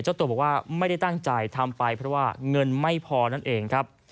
เจ้าตัวบอกว่าไม่ได้ตั้งใจทำไปเพราะว่าเงินไม่พอนั่นเองครับ